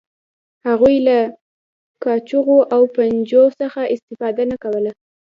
هغوی له کاچوغو او پنجو څخه استفاده نه کوله.